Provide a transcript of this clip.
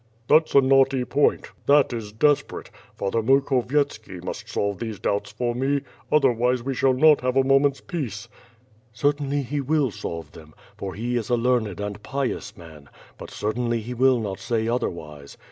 "That's a knotty point. That is desperate. Father Muk hovyetski must solve these doubts for me; otherwise we shall not have a moment's peace." "Certainly he will solve them, for he is a learned and pious man; but certainly he will not say otherwise.